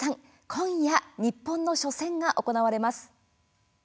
今夜、日本の初戦が行われます。